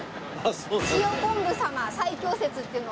塩昆布様最強説っていうのを。